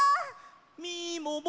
みもも。